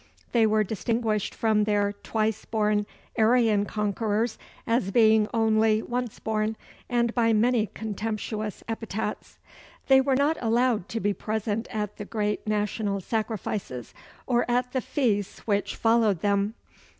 They were distinguished from their "Twice born" Aryan conquerors as being only "Once born," and by many contemptuous epithets. They were not allowed to be present at the great national sacrifices, or at the feasts which followed them.